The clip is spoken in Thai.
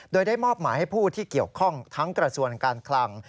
โดยได้มอบหมายให้ผู้ที่เกี่ยวข้องทั้งกระทรวงการคลัง